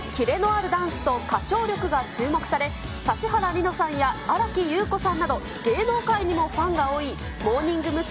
キレのあるダンスと歌唱力が注目され、指原莉乃さんや新木優子さんなど、芸能界にもファンが多いモーニング娘。